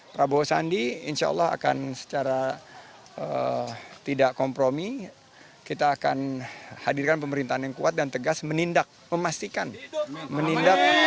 prabowo sandi insya allah akan secara tidak kompromi kita akan hadirkan pemerintahan yang kuat dan tegas menindak memastikan menindak